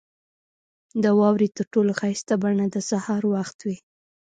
• د واورې تر ټولو ښایسته بڼه د سهار وخت وي.